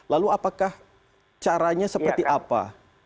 lalu apakah caranya seperti apa